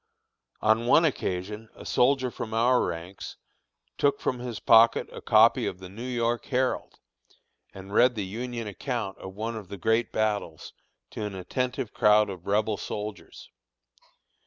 On one occasion a soldier from our ranks took from his pocket a copy of the New York Herald, and read the Union account of one of the great battles to an attentive crowd of Rebel soldiers.